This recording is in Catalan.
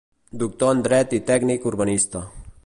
Doctor en Dret i Tècnic Urbanista.